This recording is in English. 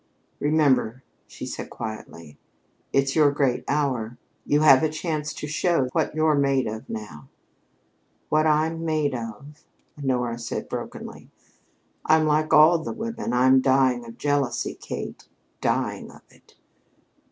Remember," she said quietly, "it's your great hour. You have a chance to show what you're made of now." "What I'm made of!" said Honora brokenly. "I'm like all the women. I'm dying of jealousy, Kate, dying of it."